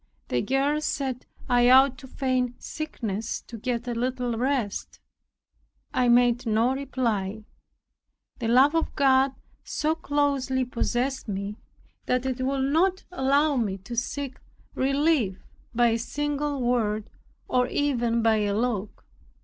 The girls said, "I ought to feign sickness, to get a little rest." I made no reply. The love of God so closely possessed me, that it would not allow me to seek relief by a single word, or even by a look.